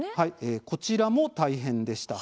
こちらも大変でした。